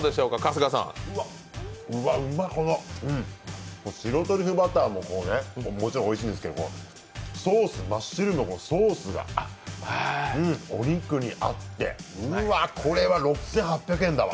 うわ、うま、この白トリュフバターももちろんおいしいんですけどマッシュルームのソースが、お肉に合ってうわ、これは６８００円だわ。